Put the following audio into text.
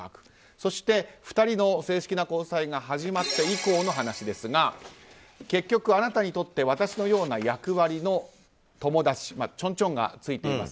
そして２人の正式な交際が始まって以降の話ですが結局あなたにとって私のような役割の友達ちょんちょんがついています。